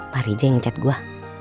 pak rija yang ngechat gua